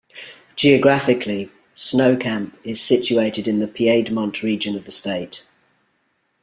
Geographically, Snow Camp is situated in the piedmont region of the state.